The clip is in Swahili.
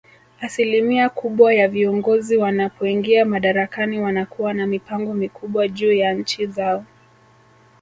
Asilimia kubwa ya viongozi wanapoingia madarakani wanakuwa na mipango mikubwa juu ya nchi zao